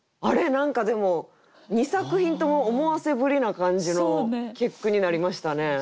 何かでも２作品とも思わせぶりな感じの結句になりましたね。